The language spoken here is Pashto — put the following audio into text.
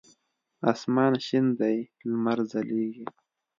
اسمان شین دی لمر ځلیږی